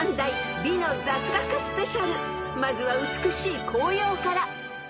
［まずは美しい紅葉から］